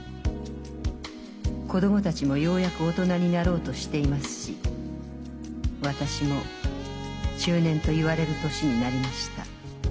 子供たちもようやく大人になろうとしていますし私も中年と言われる年になりました。